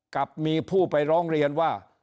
กับมีผู้ไปร้องเรียนว่า